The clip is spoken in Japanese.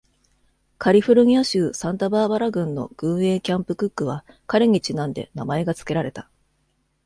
カリフォルニア州、サンタバーバラ郡の軍営キャンプ・クックは彼にちなんで名前が付けられた。